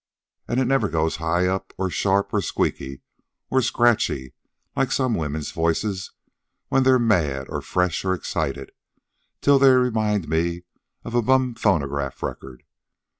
And it never goes high up, or sharp, or squeaky, or scratchy, like some women's voices when they're mad, or fresh, or excited, till they remind me of a bum phonograph record.